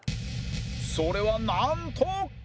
それはなんと